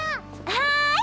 はい！